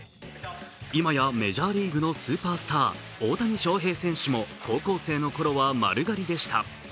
いまや、メジャーリーグのスーパースター・大谷翔平選手も高校生のころは丸刈りでした。